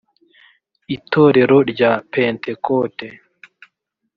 itorero rya pentekote